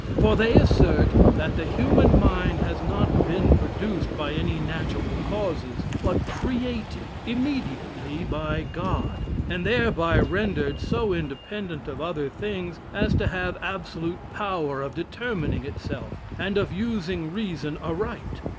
For they assert that the human mind has not been produced by any natural causes, but created immediately by God, and thereby rendered so independent of other things as to have absolute power of determining itself, and of using reason aright.